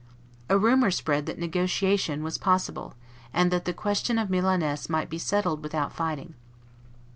A rumor spread that negotiation was possible, and that the question of Milaness might be settled without fighting.